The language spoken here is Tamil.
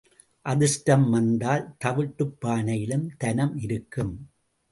அதிர்ஷ்டம் வந்தால் தவிட்டுப் பானையிலும் தனம் இருக்கும்.